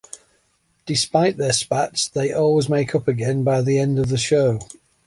Despite their spats, they always make up again by the end of the show.